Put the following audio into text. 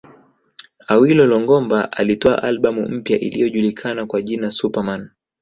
Awilo Longomba alitoa albamu mpya iliyojulikana kwa jina Super Man